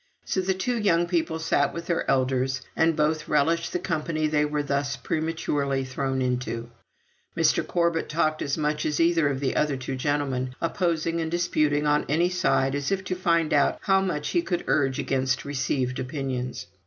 So the two young people sat with their elders, and both relished the company they were thus prematurely thrown into. Mr. Corbet talked as much as either of the other two gentlemen; opposing and disputing on any side, as if to find out how much he could urge against received opinions.